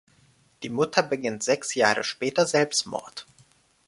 Die Mutter beging sechs Jahre später Selbstmord.